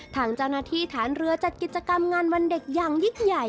ทางเจ้าหน้าที่ฐานเรือจัดกิจกรรมงานวันเด็กอย่างยิ่งใหญ่